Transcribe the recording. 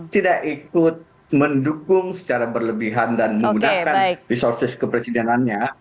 tidak ikut mendukung secara berlebihan dan menggunakan resources kepresidenannya